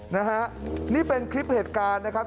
นะฮะนี่เป็นคลิปเหตุการณ์นะครับ